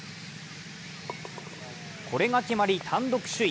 これが決まり、単独首位。